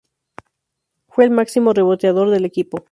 Fue el máximo reboteador del equipo.